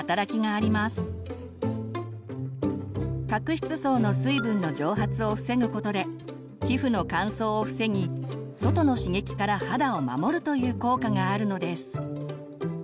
角質層の水分の蒸発を防ぐことで皮膚の乾燥を防ぎ外の刺激から肌を守るという効果があるのです。